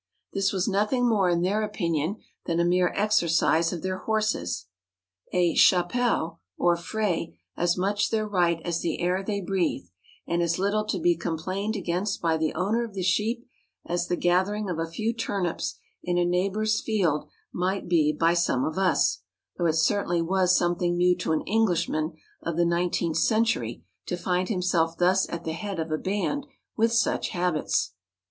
This was nothing more, in their opinion, than a mere exercise of their horses; a chappow (or fray), as much their right as the air they breathe, and as little to be complained against by the owner of the sheep as the gathering of a few turnips in a neighbour's field might be by some of us, though it certainly was something new to an Englishman of the nineteenth century to find himself thus at the head of a band with such habits.